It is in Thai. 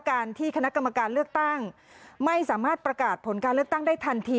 การที่คณะกรรมการเลือกตั้งไม่สามารถประกาศผลการเลือกตั้งได้ทันที